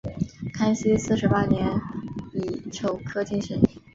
康熙四十八年己丑科进士。